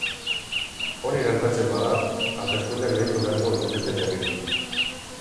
Hori gertatzen bada, hauteskundeak deitu beharko lukete berriro.